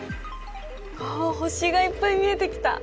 星がいっぱい見えてきた！